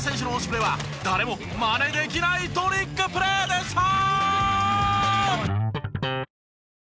プレは誰もマネできないトリックプレーでした！